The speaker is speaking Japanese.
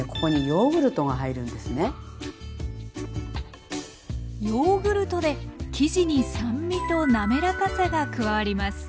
ヨーグルトで生地に酸味と滑らかさが加わります。